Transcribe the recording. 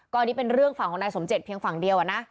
อันนี้เป็นเรื่องฝั่งของนายสมเจตเพียงฝั่งเดียวอะนะ